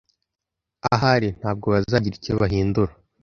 Ahari ntabwo bizagira icyo bihindura.